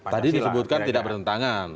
tadi disebutkan tidak bertentangan